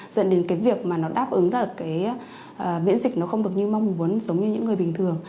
dẫn đến việc mà nó đáp ứng ra miễn dịch không được như mong muốn giống như những người bình thường